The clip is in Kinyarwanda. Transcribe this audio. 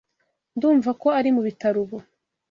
Ndumva ko ari mubitaro ubu.